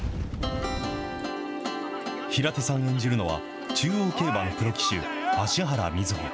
平手さん演じるのは、中央競馬のプロ騎手、芦原瑞穂。